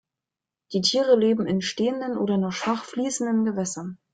Die Tiere leben in stehenden oder nur schwach fließenden Gewässern.